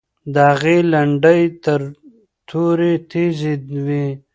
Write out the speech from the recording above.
د هغې لنډۍ تر تورې تیزې وې.